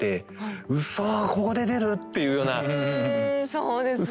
そうですね。